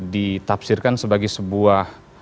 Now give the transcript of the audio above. ditafsirkan sebagai sebuah